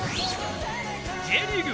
Ｊリーグ